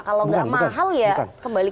kalau tidak mahal ya kembali ke sistem